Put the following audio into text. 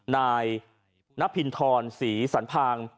นายนพินทรศรีสันพาง